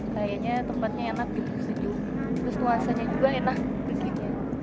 kayaknya tempatnya enak gitu sejuk